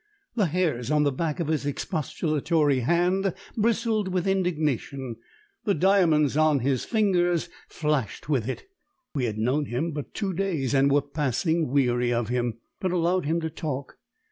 The hairs on the back of his expostulatory hand bristled with indignation, the diamonds on his fingers flashed with it. We had known him but two days and were passing weary of him, but allowed him to talk.